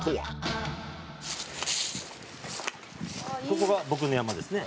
「ここが僕の山ですね」